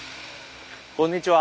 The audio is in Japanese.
こんにちは。